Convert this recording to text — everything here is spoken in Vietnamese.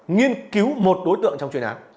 nghiên cứu một đối tượng